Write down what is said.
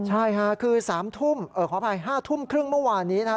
ใช่ค่ะคือ๓ทุ่มขออภัย๕ทุ่มครึ่งเมื่อวานนี้นะครับ